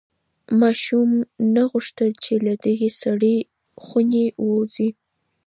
ماشوم نه غوښتل چې له دغې سړې خونې ووځي.